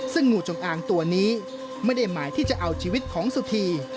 ซึ่งงูจงอางตัวนี้ไม่ได้หมายที่จะเอาชีวิตของสุธี